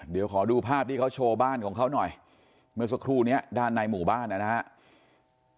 เดี๋ยวขอดูภาพที่เขาโชว์บ้านของเขาหน่อยเมื่อสักครู่นี้ด้านในหมู่บ้านนะครับ